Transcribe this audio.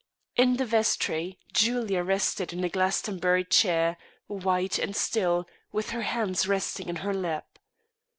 In the vestry Julia rested in a Glastonbury chair, white and still, with her hands resting in her lap.